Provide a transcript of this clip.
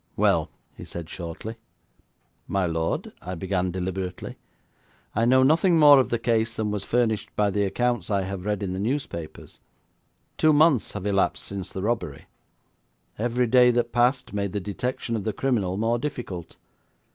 'Well!' he said shortly. 'My lord,' I began deliberately, 'I know nothing more of the case than was furnished by the accounts I have read in the newspapers. Two months have elapsed since the robbery. Every day that passed made the detection of the criminal more difficult.